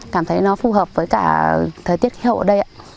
cảm thấy nó phù hợp với cả thời tiết khí hậu ở đây ạ